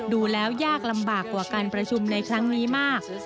ดูแล้วยากลำบากกว่าการประชุมในครั้งนี้มาก